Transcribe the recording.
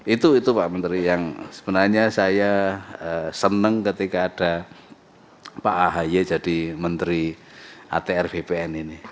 itu itu pak menteri yang sebenarnya saya senang ketika ada pak ahy jadi menteri atr bpn ini